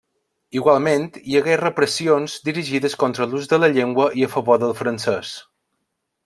Igualment hi hagué repressions dirigides contra l'ús de la llengua i a favor del francès.